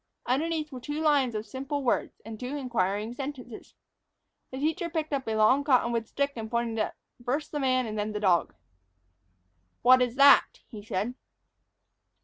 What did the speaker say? Underneath were two lines of simple words, and two inquiring sentences. The teacher picked up a long cottonwood stick and pointed it first at the man and then at the dog. "What is that?" he said.